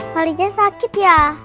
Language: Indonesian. pari ja sakit ya